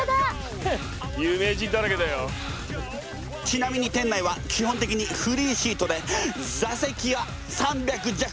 ちなみに店内は基本的にフリーシートで座席は３００弱。